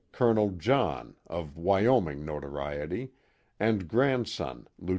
Col. John, of Wyoming notoriety, and grand son, Lieut.